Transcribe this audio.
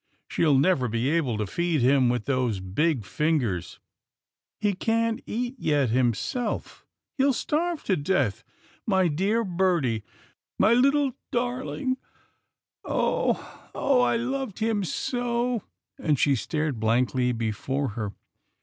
She'll never be able to feed him with those big fingers — he can't eat yet himself — he'll starve to death — my dear birdie — my little darling. Oh ! Oh ! I loved him so," and she stared blankly before her.